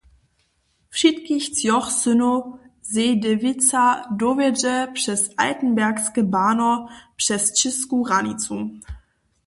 Wšitkich třoch synow Seydewitza dowjedźe přez Altenbergske bahno přez čěsku hranicu.